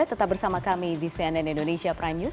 tetap bersama kami di cnn indonesia prime news